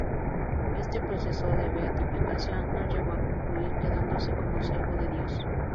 Este proceso de beatificación no llegó a concluir, quedándose como "Siervo de Dios".